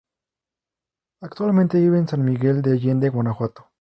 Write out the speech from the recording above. Actualmente vive en San Miguel de Allende, Guanajuato.